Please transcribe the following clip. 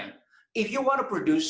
jika anda ingin memproduksi